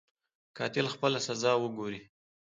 قاتل خپله سزا وګوري.